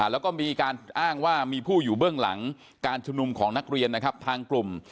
แล้วก็มีการอ้างว่ามีผู้อยู่เบื้องหลังการชุมนุมของนักเรียนนะครับทางกลุ่ม